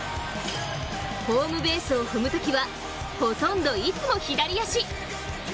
ホームベースを踏むときは、ほとんどいつも左足。